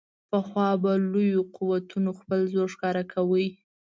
پخوا به لویو قوتونو خپل زور ښکاره کاوه.